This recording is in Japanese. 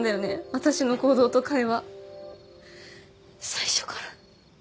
私の行動と会話最初から？